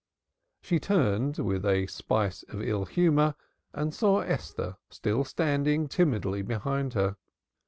She turned, with a spice of ill humor, and saw Esther still standing timidly behind her.